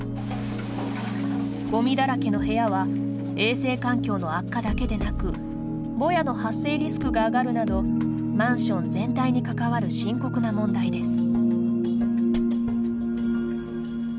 ゴミだらけの部屋は衛生環境の悪化だけでなくぼやの発生リスクが上がるなどマンション全体に関わる深刻な問題です。